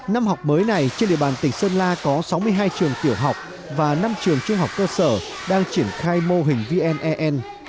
năm học mới này trên địa bàn tỉnh sơn la có sáu mươi hai trường tiểu học và năm trường trung học cơ sở đang triển khai mô hình vn